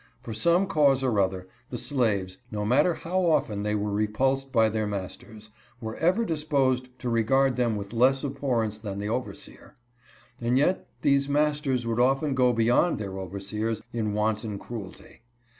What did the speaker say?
For some cause or other, the slaves, no matter how often they were repulsed by their masters, were ever disposed to regard them with less abhorrence than the overseer. And yet these masters would often go beyond their over seers in wanton cruelty.